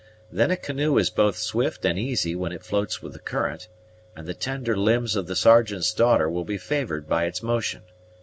Then a canoe is both swift and easy when it floats with the current, and the tender limbs of the Sergeant's daughter will be favored by its motion.